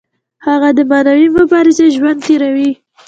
هغه د معنوي مبارزې ژوند تیروي.